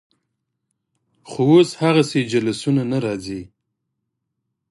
خو اوس هغسې جلوسونه نه راځي.